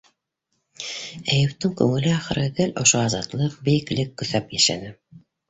Әйүптең күңеле, ахыры, гел ошо азатлыҡ, бейеклек көҫәп йәшәне.